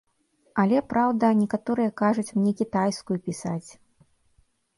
Але, праўда, некаторыя кажуць мне кітайскую пісаць.